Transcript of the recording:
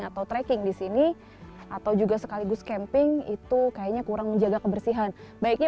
atau tracking di sini atau juga sekaligus camping itu kayaknya kurang menjaga kebersihan baiknya